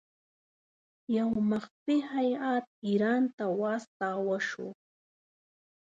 یو مخفي هیات ایران ته واستاوه شو.